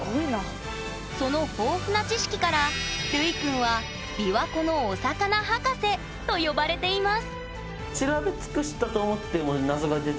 その豊富な知識からるいくんは「びわ湖のお魚博士」と呼ばれています